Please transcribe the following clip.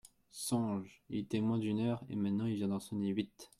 Songe … il était moins d'une heure, et maintenant il vient d'en sonner huit.